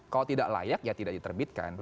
kalau tidak layak ya tidak diterbitkan